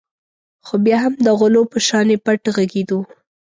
خو بیا هم د غلو په شانې پټ غږېدو.